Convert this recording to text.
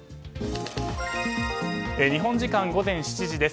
日本時間午前７時です。